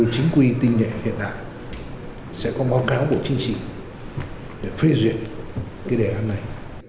chính quy tinh nhẹ hiện đại sẽ có báo cáo bộ chính trị để phê duyệt cái đề án này